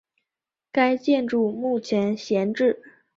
该建筑目前闲置。